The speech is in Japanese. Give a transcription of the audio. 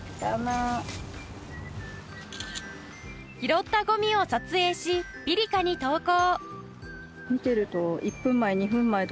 拾ったごみを撮影しピリカに投稿